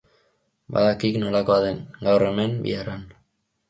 Badakik nolakoa den, gaur hemen, bihar han.